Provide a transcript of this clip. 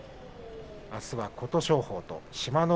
あすは琴勝峰、志摩ノ